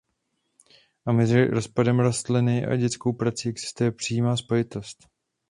A mezi rozpadem rodiny a dětskou prací existuje přímá spojitost.